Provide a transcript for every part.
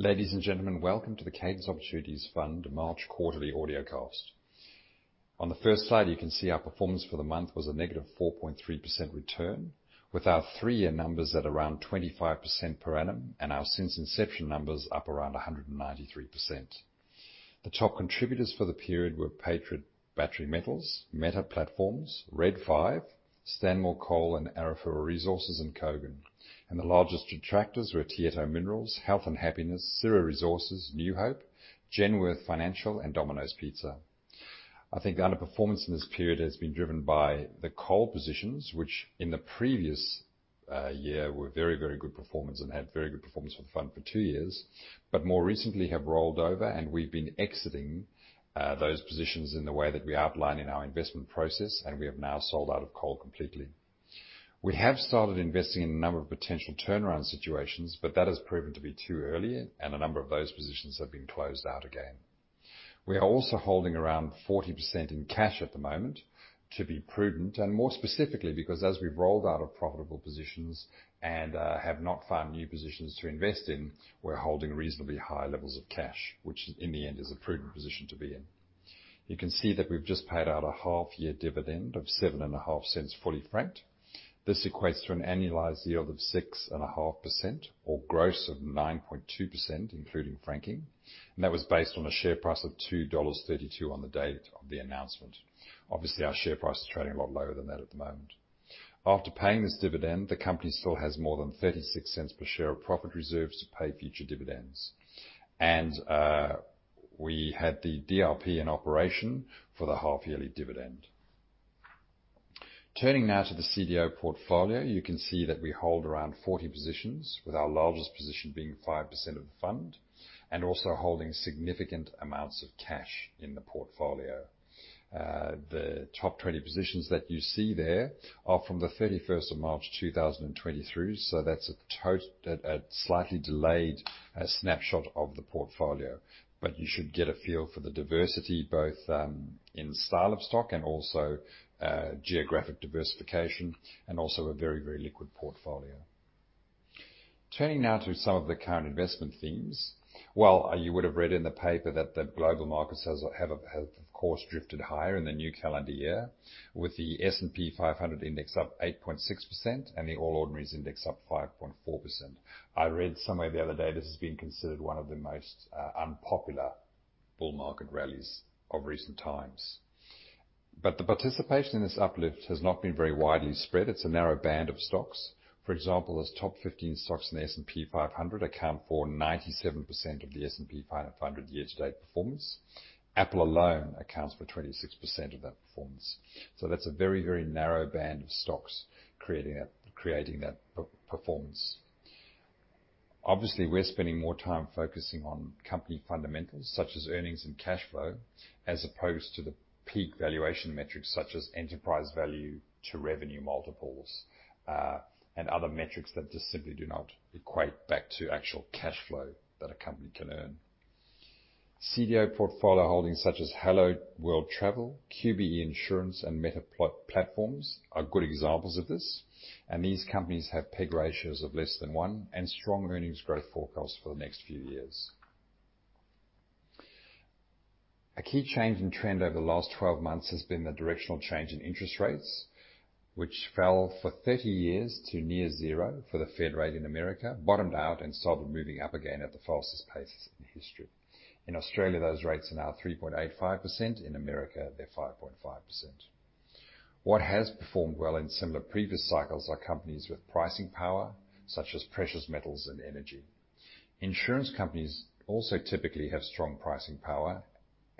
Ladies and gentlemen, welcome to the Cadence Opportunities Fund March Quarterly Audiocast. On the first slide, you can see our performance for the month was a negative 4.3% return, with our three-year numbers at around 25% per annum, and our since inception numbers up around 193%. The top contributors for the period were Patriot Battery Metals, Meta Platforms, Red 5, Stanmore Coal, Arafura Resources, and Kogan. The largest detractors were Tietto Minerals, Health and Happiness, Syrah Resources, New Hope, Genworth Financial, and Domino's Pizza.I think the underperformance in this period has been driven by the coal positions, which in the previous year were very good performance and had very good performance for the fund for two years, but more recently have rolled over and we've been exiting those positions in the way that we outline in our investment process, and we have now sold out of coal completely. We have started investing in a number of potential turnaround situations, but that has proven to be too early, and a number of those positions have been closed out again. We are also holding around 40% in cash at the moment to be prudent, and more specifically, because as we've rolled out of profitable positions and have not found new positions to invest in, we're holding reasonably high levels of cash, which in the end, is a prudent position to be in. You can see that we've just paid out a half year dividend of 0.075, fully franked. This equates to an annualized yield of 6.5% or gross of 9.2%, including franking, and that was based on a share price of 2.32 dollars on the date of the announcement. Obviously, our share price is trading a lot lower than that at the moment. After paying this dividend, the company still has more than 0.36 per share of profit reserves to pay future dividends. We had the DRP in operation for the half yearly dividend. Turning now to the CDO portfolio, you can see that we hold around 40 positions, with our largest position being 5% of the fund, and also holding significant amounts of cash in the portfolio. The top 20 positions that you see there are from the 31st of March 2023, that's a slightly delayed snapshot of the portfolio, but you should get a feel for the diversity, both in style of stock and also geographic diversification, and also a very, very liquid portfolio. Turning now to some of the current investment themes. Well, you would have read in the paper that the global markets have of course, drifted higher in the new calendar year, with the S&P 500 index up 8.6% and the All Ordinaries Index up 5.4%. I read somewhere the other day, this has been considered one of the most unpopular bull market rallies of recent times. The participation in this uplift has not been very widely spread. It's a narrow band of stocks. For example, those top 15 stocks in the S&P 500 account for 97% of the S&P 500 year to date performance. Apple alone accounts for 26% of that performance. That's a very, very narrow band of stocks creating that performance. Obviously, we're spending more time focusing on company fundamentals, such as earnings and cash flow, as opposed to the peak valuation metrics, such as enterprise value to revenue multiples, and other metrics that just simply do not equate back to actual cash flow that a company can earn. CDO portfolio holdings such as Helloworld Travel, QBE Insurance, and Meta Platforms are good examples of this, and these companies have PEG ratios of less than one and strong earnings growth forecasts for the next few years. A key change in trend over the last 12 months has been the directional change in interest rates, which fell for 30 years to near zero for the Fed rate in America, bottomed out and started moving up again at the fastest pace in history. In Australia, those rates are now 3.85%. In America, they're 5.5%. What has performed well in similar previous cycles are companies with pricing power, such as precious metals and energy. Insurance companies also typically have strong pricing power,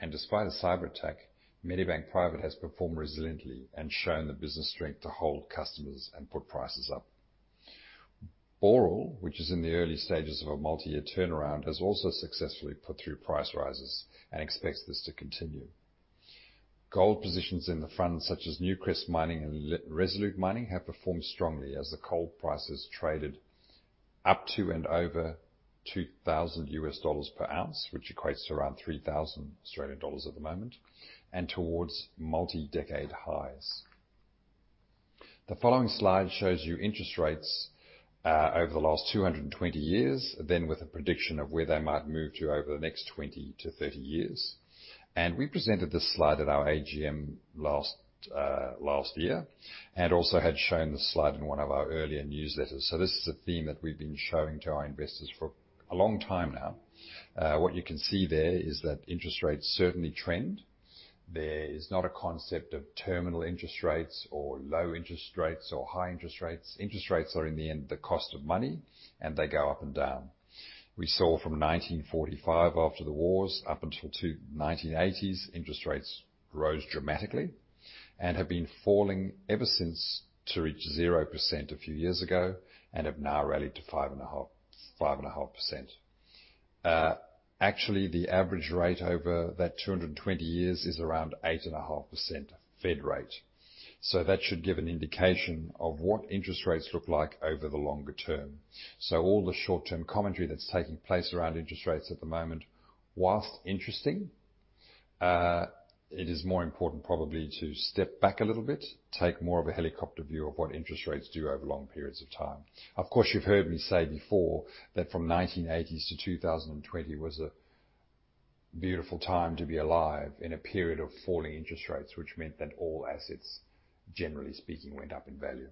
and despite a cyberattack, Medibank Private has performed resiliently and shown the business strength to hold customers and put prices up. Boral, which is in the early stages of a multi-year turnaround, has also successfully put through price rises and expects this to continue. Gold positions in the fund, such as Newcrest Mining and Resolute Mining, have performed strongly as the gold prices traded up to and over $2,000 USD per ounce, which equates to around 3,000 Australian dollars at the moment, and towards multi-decade highs. The following slide shows you interest rates over the last 220 years, with a prediction of where they might move to over the next 20-30 years. We presented this slide at our AGM last year, and also had shown this slide in one of our earlier newsletters. This is a theme that we've been showing to our investors for a long time now. What you can see there is that interest rates certainly trend. There is not a concept of terminal interest rates or low interest rates, or high interest rates. Interest rates are, in the end, the cost of money, and they go up and down. We saw from 1945, after the wars, up until to 1980s, interest rates rose dramatically and have been falling ever since to reach 0% a few years ago and have now rallied to 5.5%.Actually, the average rate over that 220 years is around 8.5% Fed rate. That should give an indication of what interest rates look like over the longer term. All the short-term commentary that's taking place around interest rates at the moment, whilst interesting, it is more important probably to step back a little bit, take more of a helicopter view of what interest rates do over long periods of time. Of course, you've heard me say before that from 1980s-2020 was a beautiful time to be alive in a period of falling interest rates, which meant that all assets, generally speaking, went up in value.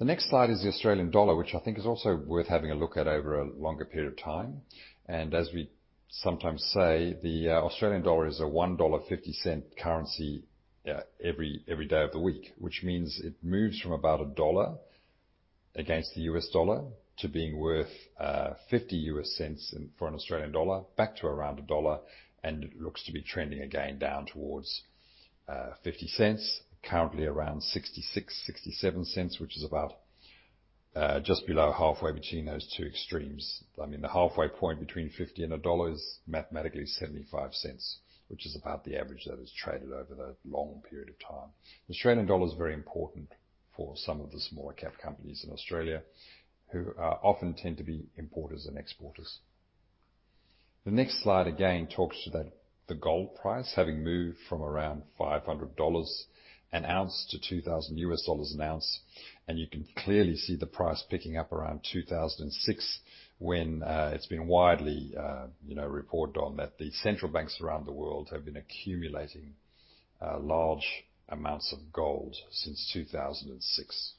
The next slide is the Australian dollar, which I think is also worth having a look at over a longer period of time. As we sometimes say, the Australian dollar is a one dollar fifty cent currency every day of the week, which means it moves from about AUD 1 against the US dollar to being worth $0.50 for an Australian dollar, back to around AUD 1, and it looks to be trending again down towards 0.50, currently around 0.66, 0.67, which is about just below halfway between those two extremes. I mean, the halfway point between 0.50 and AUD 1 is mathematically 0.75, which is about the average that is traded over the long period of time. The Australian dollar is very important for some of the smaller-cap companies in Australia, who often tend to be importers and exporters. The next slide, again, talks to that, the gold price, having moved from around $500 an ounce to $2,000 an ounce. You can clearly see the price picking up around 2006, when it's been widely, you know, reported on, that the central banks around the world have been accumulating large amounts of gold since 2006.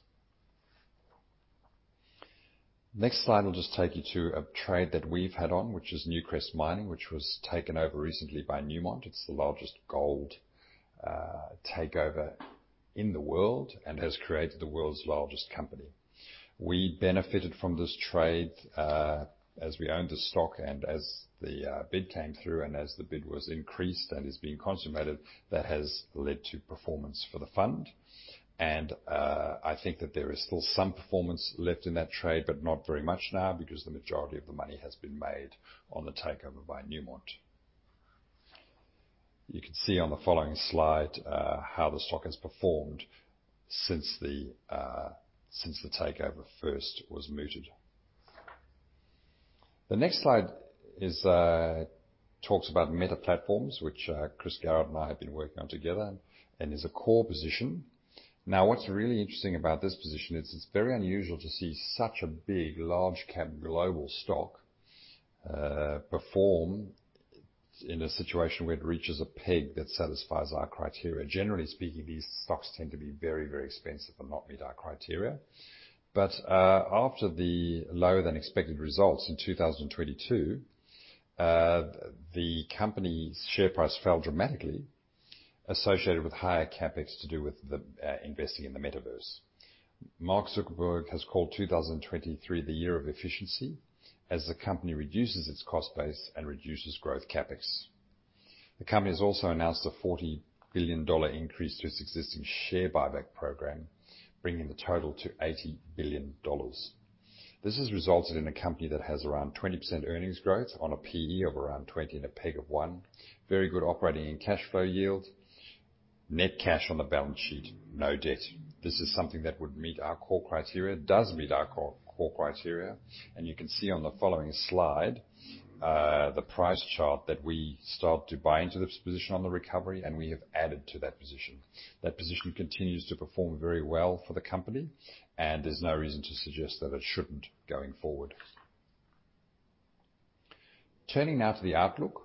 Next slide will just take you to a trade that we've had on, which is Newcrest Mining, which was taken over recently by Newmont. It's the largest gold takeover in the world and has created the world's largest company. We benefited from this trade as we owned the stock and as the bid came through, and as the bid was increased and is being consummated, that has led to performance for the fund.I think that there is still some performance left in that trade, but not very much now because the majority of the money has been made on the takeover by Newmont. You can see on the following slide, how the stock has performed since the takeover first was mooted. The next slide is, talks about Meta Platforms, which Chris Garrard and I have been working on together and is a core position. What's really interesting about this position is it's very unusual to see such a big, large-cap global stock, perform in a situation where it reaches a PEG that satisfies our criteria. Generally speaking, these stocks tend to be very, very expensive and not meet our criteria. After the lower than expected results in 2022, the company's share price fell dramatically, associated with higher CapEx to do with the investing in the Metaverse. Mark Zuckerberg has called 2023, "The year of efficiency," as the company reduces its cost base and reduces growth CapEx. The company has also announced a $40 billion increase to its existing share buyback program, bringing the total to $80 billion. This has resulted in a company that has around 20% earnings growth on a P/E of around 20 and a PEG of one. Very good operating and cash flow yield. Net cash on the balance sheet, no debt. This is something that would meet our core criteria, does meet our core criteria. You can see on the following slide, the price chart, that we started to buy into this position on the recovery, and we have added to that position. That position continues to perform very well for the company, and there's no reason to suggest that it shouldn't going forward. Turning now to the outlook.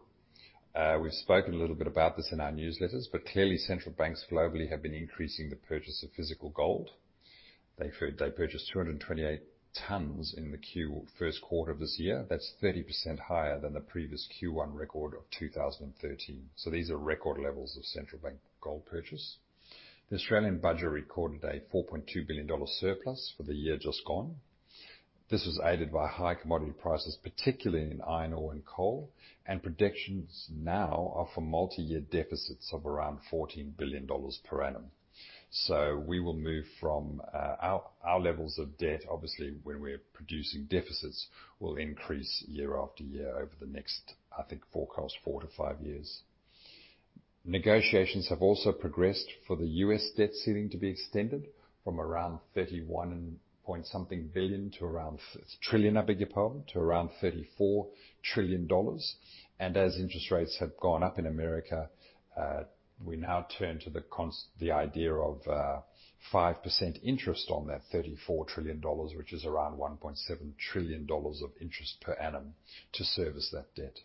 We've spoken a little bit about this in our newsletters, but clearly central banks globally have been increasing the purchase of physical gold. They purchased 228 tons in the first quarter of this year. That's 30% higher than the previous Q1 record of 2013. These are record levels of central bank gold purchase. The Australian Budget recorded an 4.2 billion dollar surplus for the year just gone. This was aided by high commodity prices, particularly in iron ore and coal. Predictions now are for multi-year deficits of around $14 billion per annum. We will move from our levels of debt, obviously, when we're producing deficits, will increase year after year over the next, I think, forecast 4-5 years. Negotiations have also progressed for the US debt ceiling to be extended from around $31.something billion to around trillion, I beg your pardon, to around $34 trillion. As interest rates have gone up in America, we now turn to the idea of 5% interest on that $34 trillion, which is around $1.7 trillion of interest per annum to service that debt.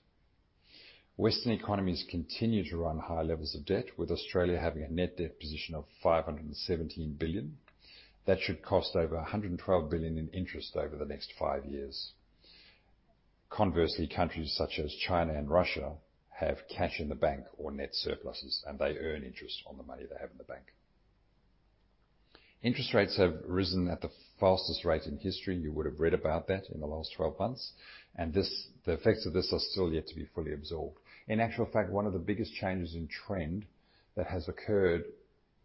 Western economies continue to run high levels of debt, with Australia having a net debt position of 517 billion. That should cost over 112 billion in interest over the next five years. Conversely, countries such as China and Russia have cash in the bank or net surpluses, and they earn interest on the money they have in the bank. Interest rates have risen at the fastest rate in history. You would have read about that in the last 12 months, and this, the effects of this are still yet to be fully absorbed. In actual fact, one of the biggest changes in trend that has occurred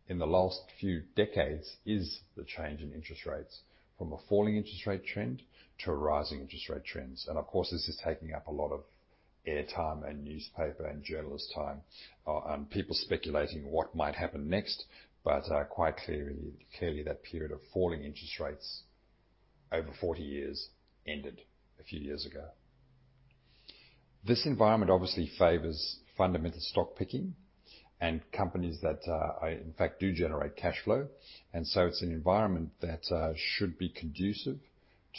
in the last few decades is the change in interest rates, from a falling interest rate trend to a rising interest rate trends. Of course, this is taking up a lot of airtime and newspaper, and journalist time, and people speculating what might happen next, clearly, that period of falling interest rates over 40 years, ended a few years ago. This environment obviously favors fundamental stock picking and companies that, in fact, do generate cash flow. It's an environment that should be conducive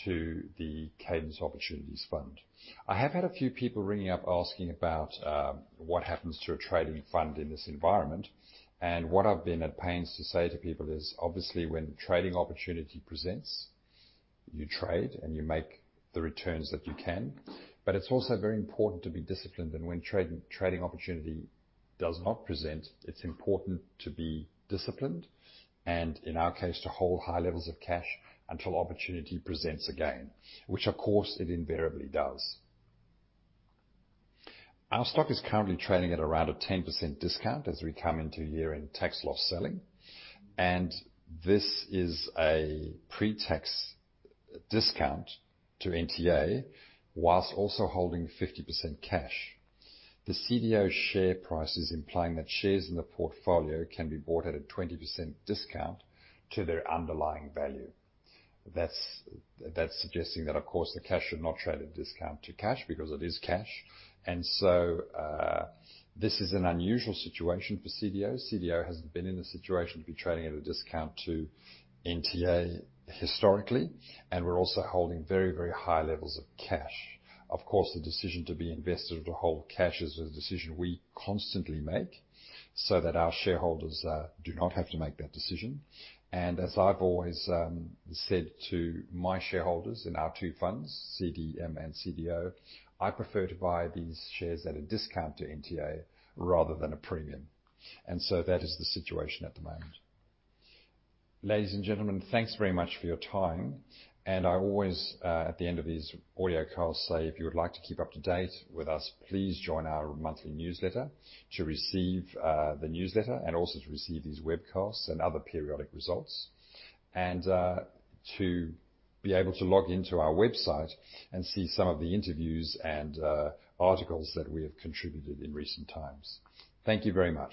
to the Cadence Opportunities Fund. I have had a few people ringing up asking about what happens to a trading fund in this environment, and what I've been at pains to say to people is, obviously, when trading opportunity presents, you trade and you make the returns that you can. It's also very important to be disciplined, and when trading opportunity does not present, it's important to be disciplined, and in our case, to hold high levels of cash until opportunity presents again, which of course, it invariably does. Our stock is currently trading at around a 10% discount as we come into year-end tax loss selling, and this is a pre-tax discount to NTA, whilst also holding 50% cash. The CDO share price is implying that shares in the portfolio can be bought at a 20% discount to their underlying value. That's suggesting that, of course, the cash should not trade at a discount to cash because it is cash. This is an unusual situation for CDO.CDO hasn't been in a situation to be trading at a discount to NTA historically, and we're also holding very, very high levels of cash. Of course, the decision to be invested or to hold cash is a decision we constantly make so that our shareholders do not have to make that decision. As I've always said to my shareholders in our two funds, CDM and CDO, I prefer to buy these shares at a discount to NTA rather than a premium. That is the situation at the moment. Ladies and gentlemen, thanks very much for your time, and I always, at the end of these audio calls. Say, if you would like to keep up to date with us, please join our monthly newsletter to receive the newsletter and also to receive these webcasts and other periodic results. To be able to log into our website and see some of the interviews and articles that we have contributed in recent times. Thank you very much.